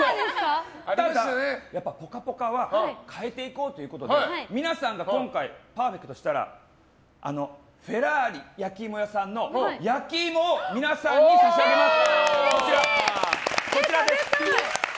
ただ、「ぽかぽか」は変えていこうということで皆さんが今回パーフェクト出したらフェラーリ焼き芋屋さんの焼き芋を皆さんに差し上げます。